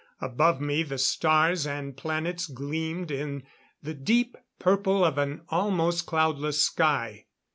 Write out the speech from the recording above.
Above me the stars and planets gleamed in the deep purple of an almost cloudless sky.